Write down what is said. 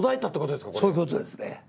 そういうことですね。